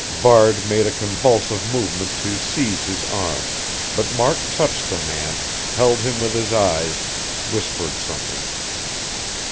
Varde made a convulsive movement to seize his arm; but Mark touched the man, held him with his eyes, whispered something....